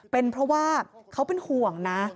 เป็นเพราะว่าเขาเป็นห่วงนะ